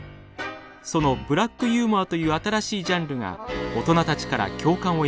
その「ブラックユーモア」という新しいジャンルが大人たちから共感を得ます。